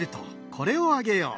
これをあげよう。